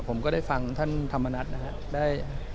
ผมก็ได้ฟังท่านธรรมนัฐนะครับ